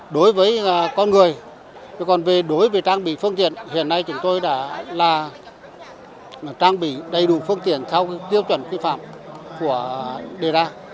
đối với con người còn về đối với trang bị phương tiện hiện nay chúng tôi đã là trang bị đầy đủ phương tiện theo tiêu chuẩn quy phạm của đề ra